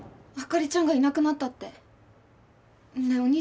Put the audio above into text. あかりちゃんがいなくなったって。ねえ？